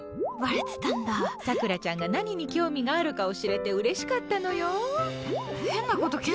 さくらちゃんが何に興味があるかを知れてうれしかったのよ。